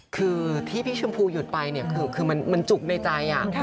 คือที่พี่ชมพูหยุดไปเนี่ยคือมันจุกในใจ